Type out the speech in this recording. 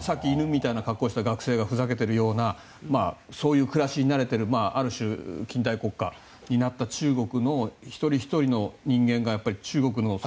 さっきの犬みたいな格好した学生がふざけているようなそういう暮らしに慣れているある種、近代国家になった中国の一人ひとりの人間が中国の。